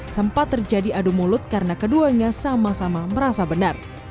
sempat terjadi adu mulut karena keduanya sama sama merasa benar